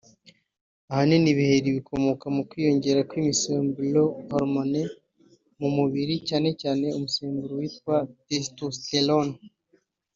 Ahanini ibiheri bikomoka mu kwiyongera kw’imisemburo(hormones)mu mubiri cyane cyane umusemburo witwa testosterone